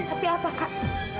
tapi apa kak